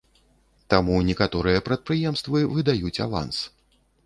Таму некаторыя прадпрыемствы выдаюць аванс.